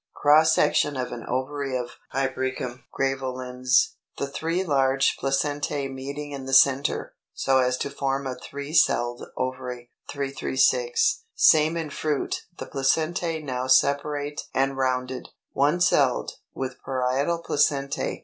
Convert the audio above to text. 335. Cross section of an ovary of Hypericum graveolens, the three large placentæ meeting in the centre, so as to form a three celled ovary. 336. Same in fruit, the placentæ now separate and rounded.] 312. =One celled, with Parietal Placentæ.